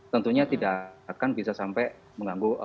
tentunya tidak akan bisa sampai mengganggu